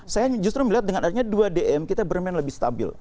saya justru melihat dengan adanya dua dm kita bermain lebih stabil